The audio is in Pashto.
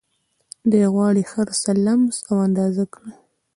دوی غواړي هرڅه لمس او اندازه کړي